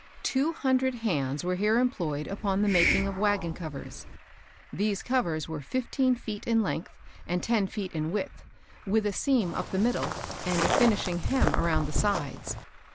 Two hundred hands were here employed upon the making of wagon covers. These covers were fifteen feet in length, and ten feet in width, with a seam up the middle, and a finishing hem around the sides.